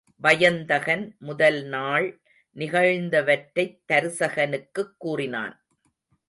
வயந்தகன் முதல் நாள் நிகழ்ந்தவற்றைத் தருசகனுக்குக் கூறினான்.